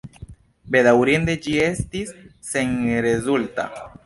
Bedaŭrinde ĝi estis senrezulta.